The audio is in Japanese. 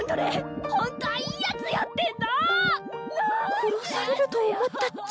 殺されると思ったっちゃ